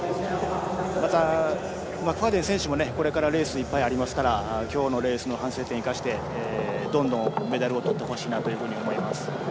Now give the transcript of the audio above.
また、マクファーデン選手もこれからレースがいっぱいあるので今日のレースの反省点を生かしてどんどんメダルをとってほしいなと思います。